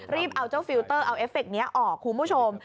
เอาเจ้าฟิลเตอร์เอาเอฟเคนี้ออกคุณผู้ชม